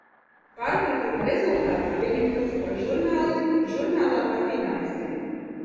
Pārpratuma rezultātā viņa kļūst par žurnālisti žurnālā par finansēm.